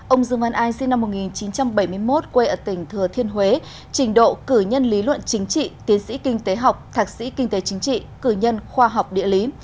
ông dương văn an sinh năm một nghìn chín trăm bảy mươi một quê ở tỉnh thừa thiên huế trình độ cử nhân lý luận chính trị tiến sĩ kinh tế học thạc sĩ kinh tế chính trị cử nhân khoa học địa lý